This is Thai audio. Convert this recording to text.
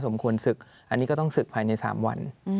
ควรศึกอันนี้ก็ต้องศึกภายใน๓วัน